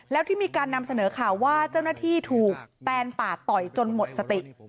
แล้วที่มีการนำเสนอข่าวว่าเจ้าหน้าที่ถูกแตนปาดต่อยจนหมดสติ